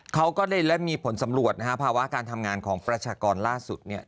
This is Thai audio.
เขาก็ได้มีผลสำรวจภาวะการทำงานของประชากรล่าสุด